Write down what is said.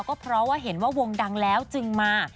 ก็เพราะว่าเห็นว่าวงดังแล้วจึงมา